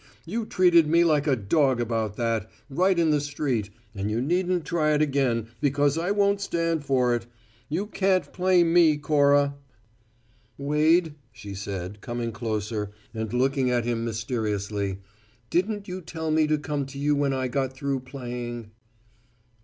You treated me like a dog about that, right in the street, and you needn't try it again, because I won't stand for it. You can't play me, Cora!" "Wade," she said, coming closer, and looking at him mysteriously, "didn't you tell me to come to you when I got through playing?"